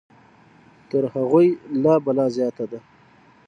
تر هغوی لا بلا زیاته ده.